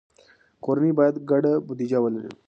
کورنۍ باید ګډه بودیجه ولري.